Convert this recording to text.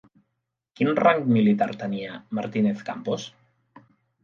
Quin rang militar tenia Martínez-Campos?